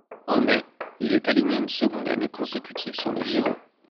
En mai, il est aligné une seconde année consécutive sur le Giro.